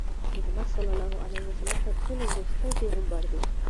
محمدﷺ تر ټولو ورستی پیغمبر دی.